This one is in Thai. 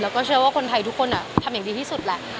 แล้วก็เชื่อว่าคนไทยทุกคนทำอย่างดีที่สุดแหละ